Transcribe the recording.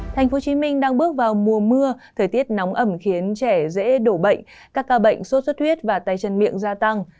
thành phố hồ chí minh đang bước vào mùa mưa thời tiết nóng ẩm khiến trẻ dễ đổ bệnh các ca bệnh sốt xuất huyết và tay chân miệng gia tăng